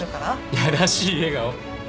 イヤらしい笑顔。